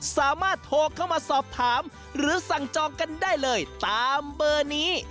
สามารถโทรเข้ามาสอบถามหรือสั่งจองกันได้เลยตามเบอร์นี้